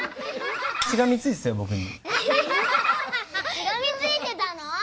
・しがみついてたの？